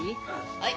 はい。